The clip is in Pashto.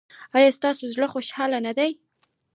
ایا ستاسو زړه خوشحاله نه دی؟